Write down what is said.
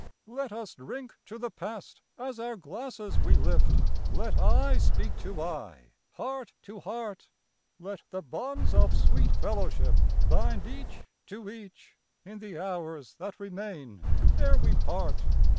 Let us drink to the Past as our glasses we lift, Let eye speak to eye, heart to heart, Let the bonds of sweet fellowship bind each to each, In the hours that remain ere we part.